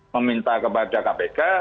meminta kepada kpk